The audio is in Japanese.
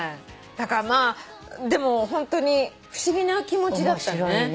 だからまあでもホントに不思議な気持ちだったね。